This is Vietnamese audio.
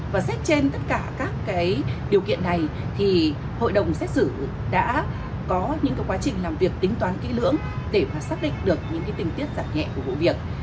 và xét trên tất cả các điều kiện này thì hội đồng xét xử đã có những quá trình làm việc tính toán kỹ lưỡng để xác định được những tình tiết giảm nhẹ của vụ việc